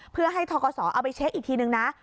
เพื่อให้ทกศเอาไปเช็คอีกทีนึงนะ